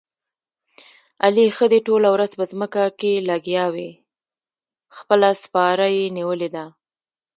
علي ښه دې ټوله ورځ په ځمکه کې لګیاوي، خپله سپاره یې نیولې ده.